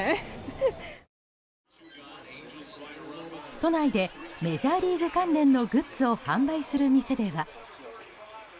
都内で、メジャーリーグ関連のグッズを販売する店では。